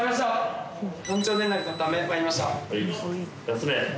休め。